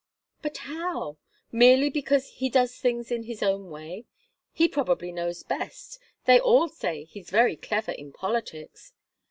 "But how? Merely because he does things in his own way? He probably knows best they all say he's very clever in politics."